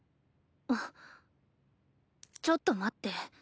んっちょっと待って。